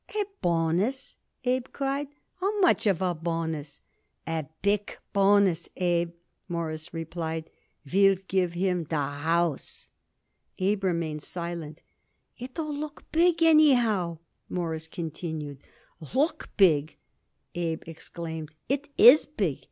"A bonus!" Abe cried. "How much of a bonus?" "A big bonus, Abe," Morris replied. "We'll give him the house." Abe remained silent. "It'll look big, anyhow," Morris continued. "Look big!" Abe exclaimed. "It is big.